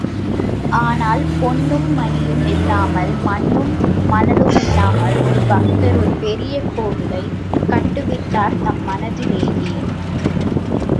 ஆனால், பொன்னும் மணியும் இல்லாமல் மண்ணும் மணலுமில்லாமல், ஒரு பக்தர் ஒரு பெரிய கோயிலைக் கட்டுவித்தார் தம் மனத்துள்ளேயே.